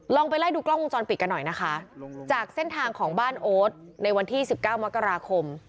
ไปไล่ดูกล้องวงจรปิดกันหน่อยนะคะจากเส้นทางของบ้านโอ๊ตในวันที่๑๙มกราคม